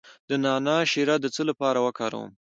د نعناع شیره د څه لپاره وکاروم؟